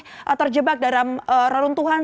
yang juga masih terjebak dalam reruntuhan